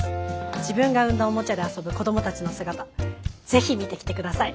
自分が生んだおもちゃで遊ぶ子どもたちの姿ぜひ見てきて下さい。